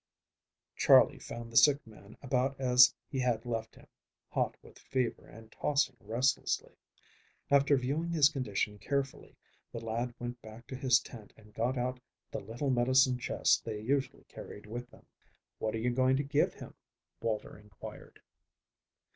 Charley found the sick man about as he had left him, hot with fever and tossing restlessly. After viewing his condition carefully, the lad went back to his tent and got out the little medicine chest they usually carried with them. "What are you going to give him?" Walter inquired.